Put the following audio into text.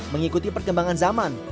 mengikuti perkembangan zaman